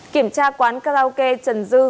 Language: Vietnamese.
kiểm tra quán karaoke trần dư